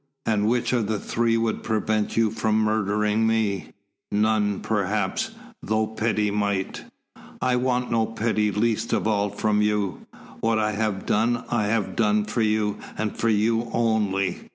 And which of the three would prevent you from murdering me?" "None, perhaps though pity might." "I want no pity, least of all from you. What I have done, I have done for you, and for you only."